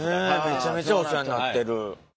めちゃめちゃお世話になってる。